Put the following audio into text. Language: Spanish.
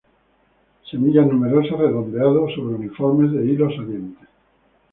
Semillas numerosas, redondeado-subreniformes, de hilo saliente.